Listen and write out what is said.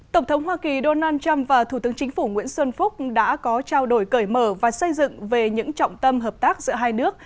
tổng thống hoa kỳ donald trump và thủ tướng chính phủ nguyễn xuân phúc đã có trao đổi cởi mở và xây dựng về những trọng tâm hợp tác giữa hai nước